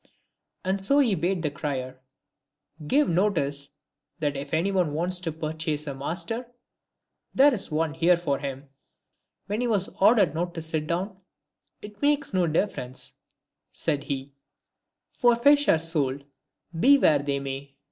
And so he bade the crier " give notice that if any one wants to purchase a master, there is one here for him." When he was ordered not to sit down ;" It makes no difference," said he, " for fish are sold, be where they may."